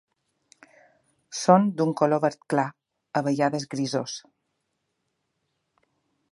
Són d'un color verd clar a vegades grisós.